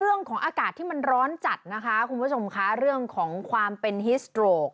เรื่องของอากาศที่มันร้อนจัดนะคะคุณผู้ชมค่ะเรื่องของความเป็นฮิสโตรก